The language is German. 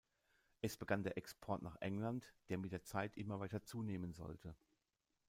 Es begann der Export nach England, der mit der Zeit immer weiter zunehmen sollte.